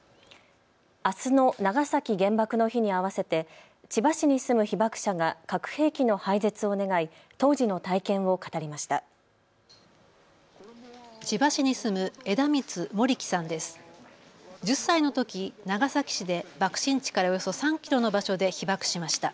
あすの長崎原爆の日に合わせて千葉市に住む被爆者が核兵器の廃絶を願い当時の体験を語りました。